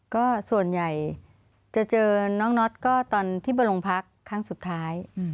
ก็ส่วนใหญ่จะเจอน้องน็อตก็ตอนที่ไปโรงพักครั้งสุดท้าย